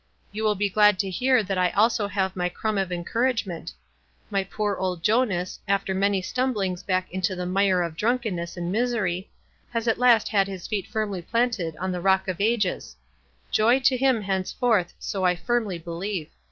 You will be glad to hear that I also have my crumb of encourage ment. My poor old Jonas, after many stum blings back into the mire of drunkenness and misery, has at last had his feet firmly planted on the f Rock of Ages.' Joy to him henceforth, so I firmly believe.